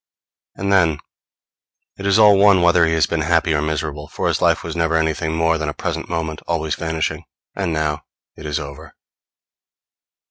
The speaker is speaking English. And then, it is all one whether he has been happy or miserable; for his life was never anything more than a present moment always vanishing; and now it is over.